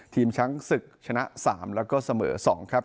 ทีมช้างศึกชนะ๓แล้วก็เสมอ๒ครับ